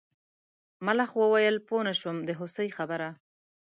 ملخ وویل پوه نه شوم د هوسۍ خبره.